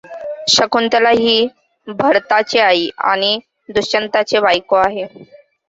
शकुंतला ही भरताची आई आणि दुष्यंताची बायको आहे.